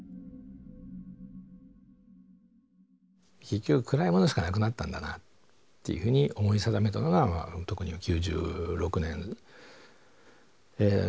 結局暗いものしかなくなったんだなっていうふうに思い定めたのが特に９６年後半。